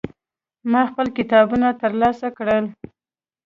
ما خپل کتابونه ترلاسه کړل.